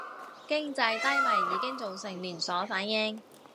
經濟低迷已經造成連鎖反應